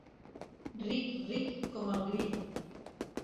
Ric, ric, com el grill.